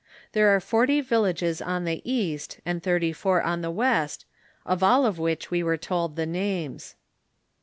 There are forty vil lages on the east, and thirty four on the west, of all of which we were told the names.